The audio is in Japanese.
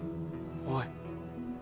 おい。